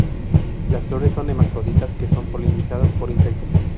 Las flores son hermafroditas que son polinizadas por los insectos.